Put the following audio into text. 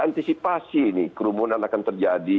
antisipasi ini kerumunan akan terjadi